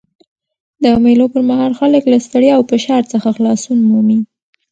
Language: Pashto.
د مېلو پر مهال خلک له ستړیا او فشار څخه خلاصون مومي.